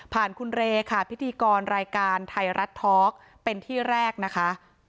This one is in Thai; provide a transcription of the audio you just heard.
คุณเรค่ะพิธีกรรายการไทยรัฐทอล์กเป็นที่แรกนะคะ